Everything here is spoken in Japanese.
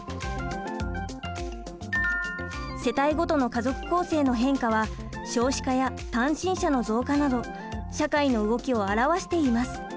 世帯ごとの家族構成の変化は少子化や単身者の増加など社会の動きを表しています。